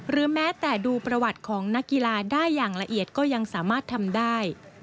แม้แต่ดูประวัติของนักกีฬาได้อย่างละเอียดก็ยังสามารถทำได้